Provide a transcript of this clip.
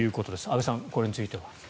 阿部さん、これについては。